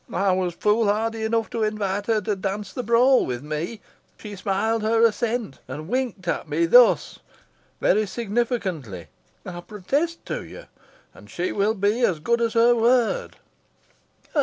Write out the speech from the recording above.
I was foolhardy enough to invite her to dance the brawl with me. She smiled her assent, and winked at me thus very significantly, I protest to you and she will be as good as her word."